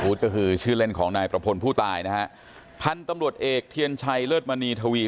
ก็คือชื่อเล่นของนายประพลผู้ตายนะฮะพันธุ์ตำรวจเอกเทียนชัยเลิศมณีทวี